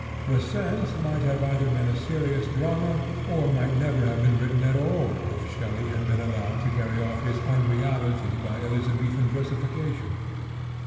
The Cent might either have been a serious drama or might never have been written at all if Shelley had not been allowed to carry off its unreality by Elizabethan versification.